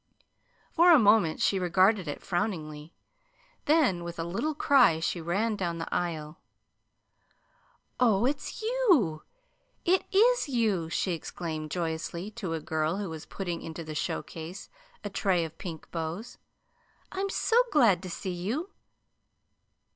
For a moment she regarded it frowningly; then, with a little cry, she ran down the aisle. "Oh, it's you it IS you!" she exclaimed joyously to a girl who was putting into the show case a tray of pink bows. "I'm so glad to see you!"